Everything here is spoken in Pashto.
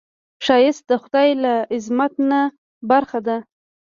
ښایست د خدای له عظمت نه برخه ده